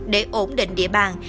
để ổn định địa bàn